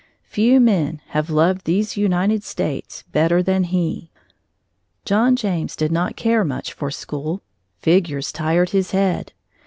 Few men have loved these United States better than he. John James did not care much for school. Figures tired his head.